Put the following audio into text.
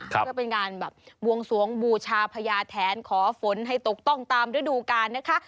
เพื่อเป็นการแบบบวงสวงบูชาพญาแทนขอฝนให้ตกต้องตามฤดูกาลนะคะ